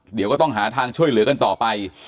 เดี๋ยวก็ต้องหาทางช่วยเหลือกันต่อไป